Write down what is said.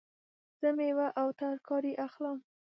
زه میوه او ترکاری اخلم